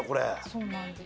そうなんです。